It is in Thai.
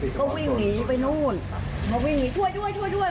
คุณเด็กก็วิ่งหนีไปนู้นเขาวิ่งหนีช่วยช่วยช่วย